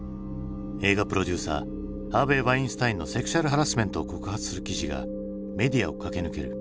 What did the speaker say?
映画プロデューサーハーヴェイ・ワインスタインのセクシャルハラスメントを告発する記事がメディアを駆け抜ける。